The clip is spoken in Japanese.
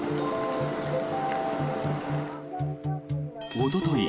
おととい